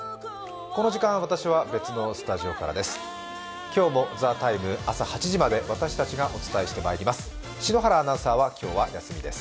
この時間、私は別のスタジオからです。